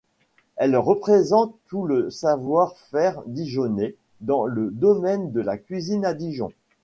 Elle représente tout le savoir-faire dijonnais dans le domaine de la cuisine à Dijon.